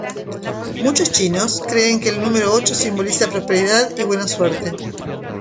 Muchos chinos, creen que el número ocho simboliza prosperidad y buena suerte.